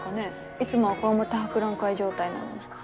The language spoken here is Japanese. いつもは強面博覧会状態なのに。